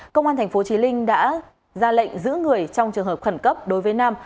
công an tp chí linh đã ra lệnh giữ người trong trường hợp khẩn cấp đối với nam